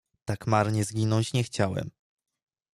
"Tak marnie zginąć nie chciałem."